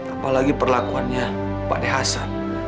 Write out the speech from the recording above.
apalagi perlakuannya pak de hasan